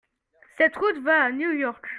Cette route va à New York ?